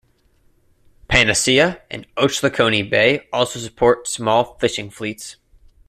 Panacea and Ochlockonee Bay also support small fishing fleets.